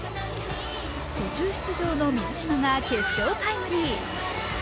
途中出場の水島が決勝タイムリー。